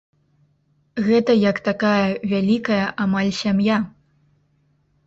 Гэта як такая вялікая амаль сям'я.